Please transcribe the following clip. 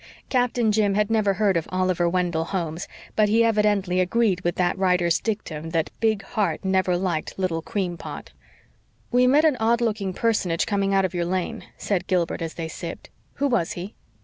Captain Jim had never heard of Oliver Wendell Holmes, but he evidently agreed with that writer's dictum that "big heart never liked little cream pot." "We met an odd looking personage coming out of your lane," said Gilbert as they sipped. "Who was he?"